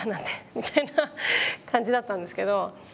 みたいな感じだったんですけど。